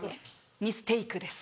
ミステイクです。